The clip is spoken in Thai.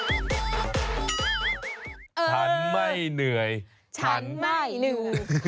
ฉันไม่เหนื่อยฉันไม่ลืม